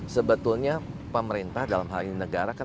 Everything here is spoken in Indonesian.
sebetulnya pemerintah dalam hal ini negara kan